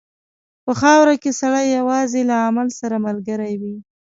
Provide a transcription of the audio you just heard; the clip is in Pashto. په خاوره کې سړی یوازې له عمل سره ملګری وي.